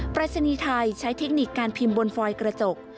ปรายศนีย์ไทยใช้เทคนิคการพิมพ์บนฟอยกระจก